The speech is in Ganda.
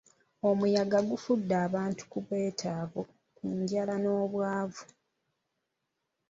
Omuyaga gufudde bantu abeetaavu ku njala n'obwavu.